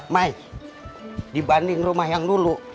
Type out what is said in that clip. mai dibanding rumah yang dulu